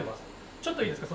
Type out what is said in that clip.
ちょっといいですか？